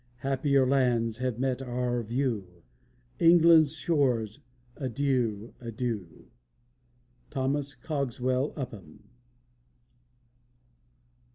Happier lands have met our view! England's shores, adieu! adieu! THOMAS COGSWELL UPHAM.